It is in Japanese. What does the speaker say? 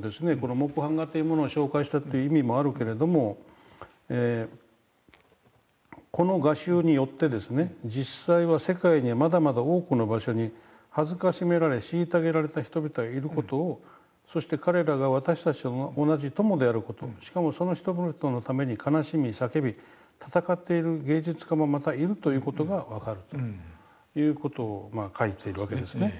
この木版画というものを紹介したという意味もあるけれどもこの画集によってですね実際は世界にはまだまだ多くの場所に辱められ虐げられた人々がいる事をそして彼らが私たちの同じ友である事しかもその人々のために悲しみ叫び闘っている芸術家もまたいるという事が分かるという事を書いてるわけですね。